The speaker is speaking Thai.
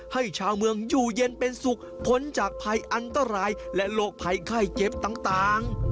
ให้ชาวเมืองอยู่เย็นเป็นสุขพ้นจากภัยอันตรายและโรคภัยไข้เจ็บต่าง